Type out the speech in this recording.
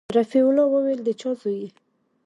رفيع الله وويل د چا زوى يې.